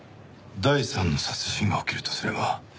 第３の殺人が起きるとすれば。